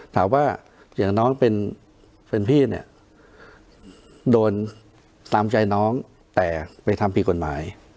ถามว่าอย่างน้องเป็นพี่เนี่ยโดนตามใจน้องแต่ไปทำผิดกฎหมาย